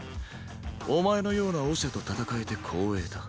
お前のようなオシャと戦えて光栄だ。